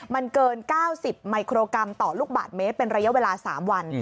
มันเกิน๙๐มิโครกรัมต่อลูกบาทเมตรเป็นระยะเวลา๓วัน